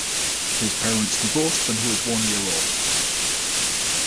His parents divorced when he was one year old.